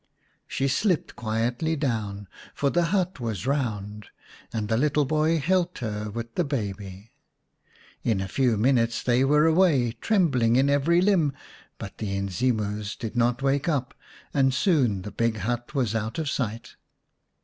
She slipped quietly down, for the hut was round, and the little boy helped her with the baby. In a few minutes they were away, trembling in every limb, but the Inzimus did not wake up, and soon the big hut was out of sight.